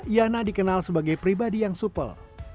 yana dikenal sebagai pribadi yang supel